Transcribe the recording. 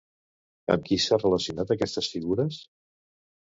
Amb qui s'ha relacionat aquestes figures?